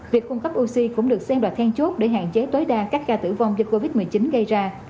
việc cung cấp oxy cũng được xem là then chốt để hạn chế tối đa các ca tử vong do covid một mươi chín gây ra